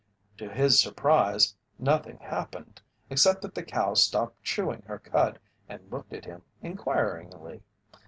To his surprise, nothing happened except that the cow stopped chewing her cud and looked at him inquiringly.